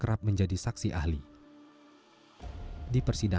terdakwa kadang mengungkap afiliasinya